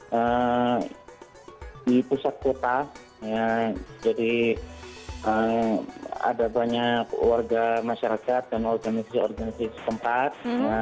di pusat kota jadi ada banyak warga masyarakat dan organisasi organisasi setempat